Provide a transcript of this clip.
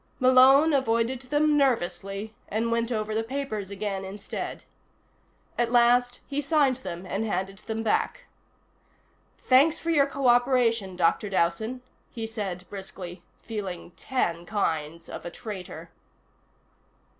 Malone avoided them nervously, and went over the papers again instead. At last he signed them and handed them back. "Thanks for your cooperation, Dr. Dowson," he said briskly, feeling ten kinds of a traitor.